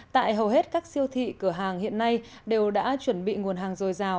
tại hầu hết các siêu thị cửa hàng hiện nay đều đã chuẩn bị nguồn hàng dồi dào